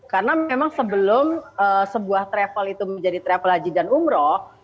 karena memang sebelum sebuah travel itu menjadi travel haji dan umroh